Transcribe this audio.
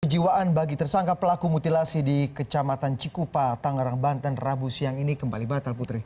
kejiwaan bagi tersangka pelaku mutilasi di kecamatan cikupa tangerang banten rabu siang ini kembali batal putri